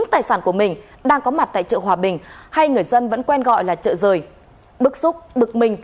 tôi gặp một cái xe msc đép